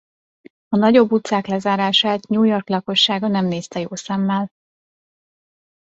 A nagyobb utcák lezárását New York lakossága nem nézte jó szemmel.